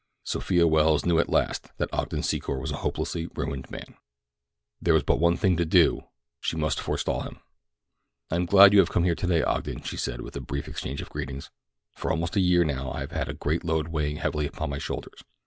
Sophia Welles knew at last that Ogden Secor was a hopelessly ruined man. There was but one thing to do—she must forestall him. "I am glad that you have come today, Ogden," she said, after a brief exchange of greetings. "For almost a year now I have had a great load weighing heavily upon my shoulders."